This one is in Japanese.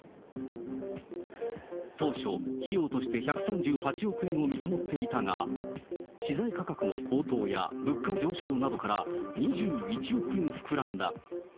当初、費用として１３８億円を見積もっていたが、資材価格の高騰や、物価上昇などから、２１億円膨らんだ。